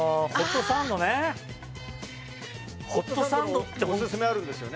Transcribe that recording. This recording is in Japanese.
このホットサンドのオススメあるんですよね？